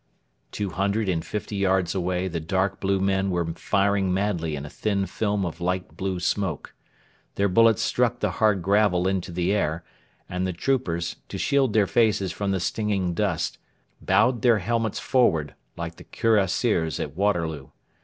Two hundred and fifty yards away the dark blue men were firing madly in a thin film of light blue smoke. Their bullets struck the hard gravel into the air, and the troopers, to shield their faces from the stinging dust, bowed their helmets forward, like the Cuirassiers at Waterloo.